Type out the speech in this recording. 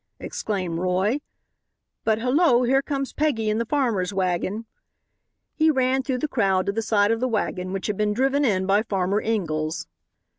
exclaimed Roy, "but hullo, here comes Peggy in the farmer's wagon!" He ran through the crowd to the side of the wagon, which had been driven in by Farmer Ingalls.